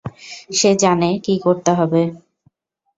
সে জানে কী করতে হবে!